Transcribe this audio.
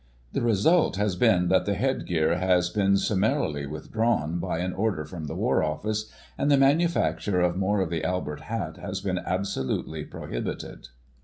The result has been that the headgear has Digitized by Google 224 GOSSIP. [1843 been summeirily withdrawn, by an order from the War Office, and the manufacture of more of the Albert hat has been abso lutely prohibited.